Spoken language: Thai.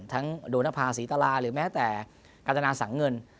ทั้งโดนภาษีตลาหรือแม้แต่การตนาสั่งเงิน